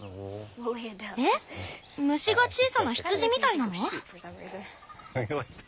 えっ虫が小さな羊みたいなの？